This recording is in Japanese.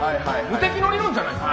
無敵の理論じゃないすか。